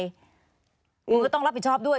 คุณก็ต้องรับผิดชอบด้วย